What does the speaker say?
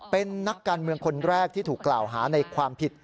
เป็นนักการเมืองคนแรกที่ถูกกล่าวหาในความผิด